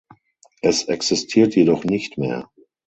Es existiert jedoch nicht mehr.